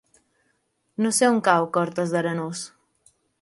No sé on cau Cortes d'Arenós.